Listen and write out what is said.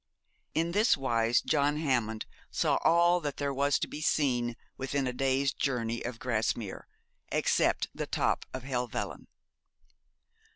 In this wise John Hammond saw all that was to be seen within a day's journey of Grasmere, except the top of Helvellyn.